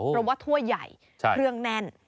เพราะว่าถ้วยใหญ่เครื่องแน่น